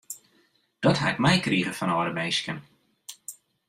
Dat ha ik meikrige fan de âlde minsken.